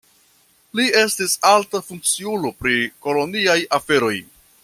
Li estis alta funkciulo pri koloniaj aferoj.